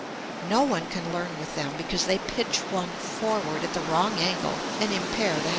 No one can learn with them because they pitch one forward at the wrong angle and impair the health.